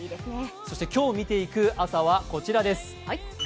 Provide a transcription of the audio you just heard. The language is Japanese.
そして今日見ていく朝はこちらです。